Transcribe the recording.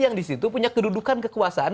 yang di situ punya kedudukan kekuasaan